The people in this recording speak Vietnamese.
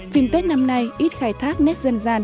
phim tết năm nay ít khai thác nét dân gian